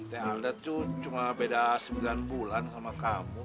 teh alda itu cuma beda sembilan bulan sama kamu